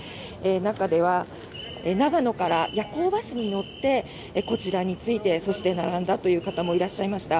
中では長野から夜行バスに乗ってこちらに着いてそして、並んだという方もいらっしゃいました。